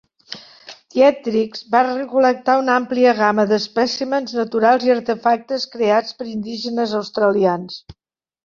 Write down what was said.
Dietrich va recol·lectar una àmplia gamma d'espècimens naturals i artefactes creats per indígenes australians.